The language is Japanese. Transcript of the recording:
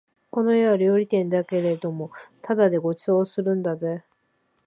この家は料理店だけれどもただでご馳走するんだぜ